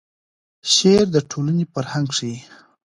شعر د ټولنې فرهنګ ښیي.